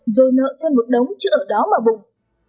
rồi nợ thêm một đống chứ ở đó mà bùng